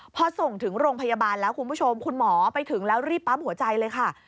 พอส่งถึงโรงพยาบาลแล้วคุณผู้ชมคุณหมอไปถึงแล้วรีบปั๊มหัวใจเลยค่ะ